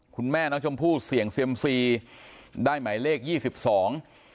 คุณแม่น้องชมพู่เสี่ยงเซียมซีได้หมายเลขยี่สิบสอง